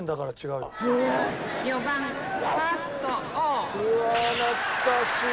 うわー懐かしい。